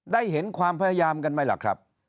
ได้เห็นความพยายามกันไหมล่ะครับ